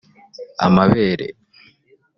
amabere